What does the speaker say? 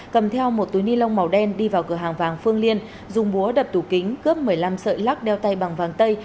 cầm theo một túi ni lông màu đen đi vào cửa hàng vàng phương liên dùng búa đập tủ kính cướp một mươi năm sợi lắc đeo tay bằng vàng tây